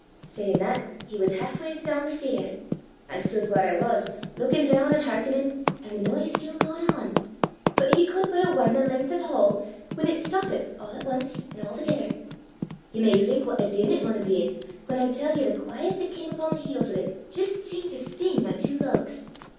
Sayin' that, he was half ways doon the stair. I stood whaur I was, lookin' doon an' hearkenin', an' the noise still gaein' on. But he could but hae won the len'th o' the hall, whan it stoppit a' at ance an' a'thegither. Ye may think what a din it maun hae been, whan I tell ye the quaiet that cam upo' the heels o' 't jist seemed to sting my twa lugs.